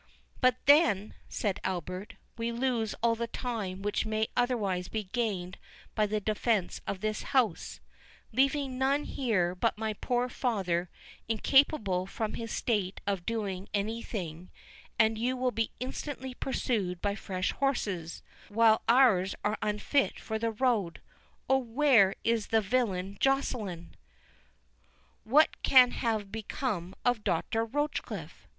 "But then," said Albert, "we lose all the time which may otherwise be gained by the defence of this house—leaving none here but my poor father, incapable from his state of doing any thing; and you will be instantly pursued by fresh horses, while ours are unfit for the road. Oh, where is the villain Joceline!" "What can have become of Doctor Rochecliffe?"